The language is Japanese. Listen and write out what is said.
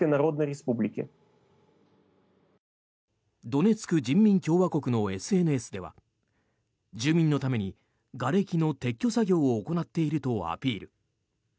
ドネツク人民共和国のＳＮＳでは住民のためにがれきの撤去作業を行っているとアピール。